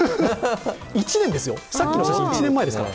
１年ですよ、さっきの写真、１年前ですから。